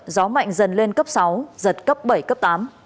gió mạnh dần lên cấp sáu giật cấp bảy cấp tám